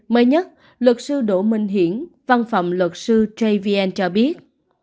mới nhất luật sư đỗ minh hiển văn phòng luật sư travn cho biết